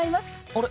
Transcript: あれ？